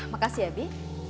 makasih ya bi